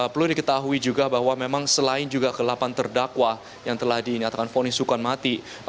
perlu diketahui juga bahwa memang selain juga ke delapan terdakwa yang telah dinyatakan fonis hukuman mati